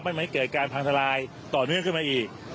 มันไม่เคยกันภังสลายต่อเนื่องขึ้นมาอีก